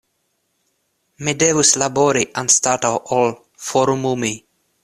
Mi devus labori anstataŭ ol forumumi.